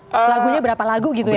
lagunya berapa lagu gitu ya